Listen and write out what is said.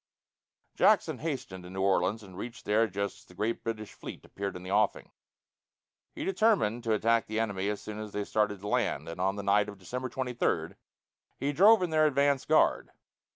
Jackson hastened to New Orleans, and reached there just as a great British fleet appeared in the offing. He determined to attack the enemy as soon as they started to land, and on the night of December 23 he drove in their advance guard.